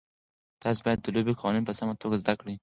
تاسي باید د لوبې قوانین په سمه توګه زده کړئ.